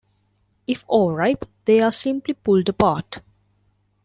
If overripe they are simply pulled apart.